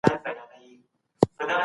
ایا خلیفه د خلګو ترمنځ انصاف کاوه؟